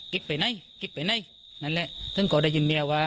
ไปไหนกิ๊บไปไหนนั่นแหละท่านก็ได้ยินเมียว่า